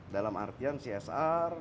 dalam artian csr